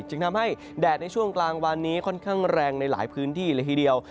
จึงทำให้แดดในช่วงกลางวันนี้ค่อนข้างแรงในหลายพื้นที่เลยทีเดียว